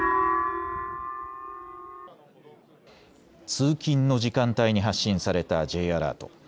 通勤の時間帯に発信されたＪアラート。